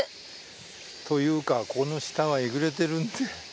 というかこの下がえぐれてる。